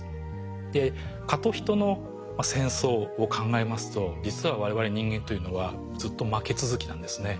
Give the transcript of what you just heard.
で蚊と人の戦争を考えますと実はわれわれ人間というのはずっと負け続きなんですね。